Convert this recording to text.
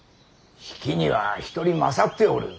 比企には１人勝っておる。